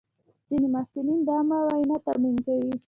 ځینې محصلین د عامه وینا تمرین کوي.